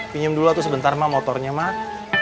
pinjem dulu sebentar mak motornya mak